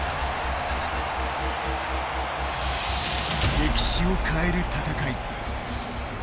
歴史を変える戦い。